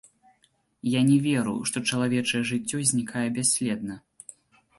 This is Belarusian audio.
Я не веру, што чалавечае жыццё знікае бясследна.